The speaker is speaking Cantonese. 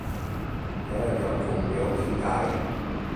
有人有同樣見解